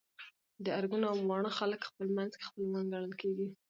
د ارګون او واڼه خلک خپل منځ کي خپلوان ګڼل کيږي